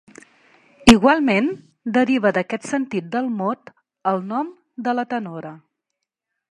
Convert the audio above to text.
Igualment deriva d'aquest sentit del mot, el nom de la tenora.